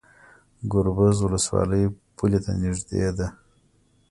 ګربز ولسوالۍ پولې ته نږدې ده؟